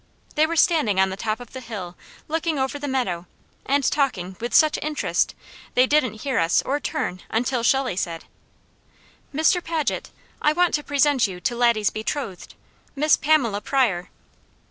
They were standing on the top of the hill looking over the meadow, and talking with such interest they didn't hear us or turn until Shelley said: "Mr. Paget, I want to present you to Laddie's betrothed Miss Pamela Pryor."